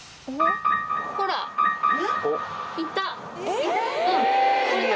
ほら、いた！